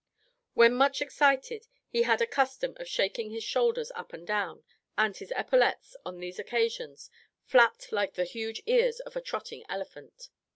When much excited, he had a custom of shaking his shoulders up and down; and his epaulettes, on these occasions, flapped like the huge ears of a trotting elephant.